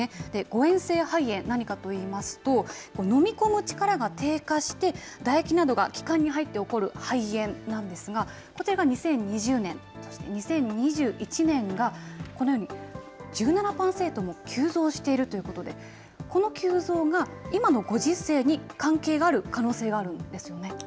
誤嚥性肺炎、何かといいますと、飲み込む力が低下して、唾液などが気管に入って起こる肺炎なんですが、こちらが２０２０年、そして２０２１年がこのように１７％も急増しているということで、この急増が、今のご時世に関係がある可能性があるんですよね。